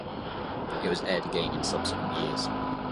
It was aired again in subsequent years.